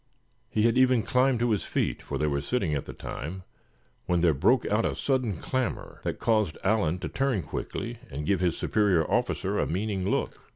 He had even climbed to his feet, for they were sitting at the time, when there broke out a sudden clamor that caused Allan to turn quickly, and give his superior officer a meaning look.